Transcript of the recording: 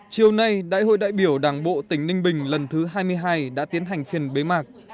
chiều nay đại hội đại biểu đảng bộ tỉnh ninh bình lần thứ hai mươi hai đã tiến hành phiên bế mạc